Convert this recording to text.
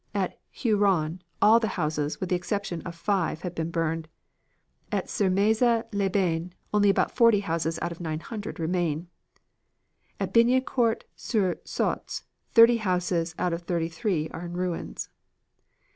At Huiron all of the houses, with the exception of five have been burned. At Sermaize les Bains only about forty houses out of 900 remain. At Bignicourt sur Saultz thirty houses out of thirty three are in ruins.